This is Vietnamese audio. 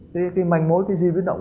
cái manh mối cái di viết động